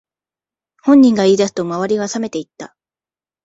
本人が言い出すと周りはさめていった